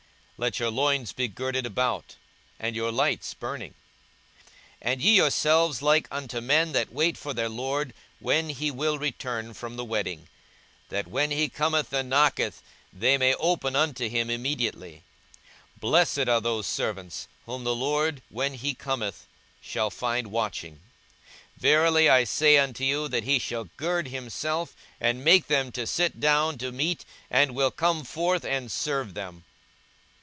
42:012:035 Let your loins be girded about, and your lights burning; 42:012:036 And ye yourselves like unto men that wait for their lord, when he will return from the wedding; that when he cometh and knocketh, they may open unto him immediately. 42:012:037 Blessed are those servants, whom the lord when he cometh shall find watching: verily I say unto you, that he shall gird himself, and make them to sit down to meat, and will come forth and serve them.